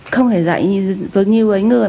không thể dạy với nhiều người